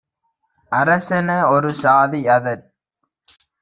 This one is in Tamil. அரசென ஒரு சாதி - அதற்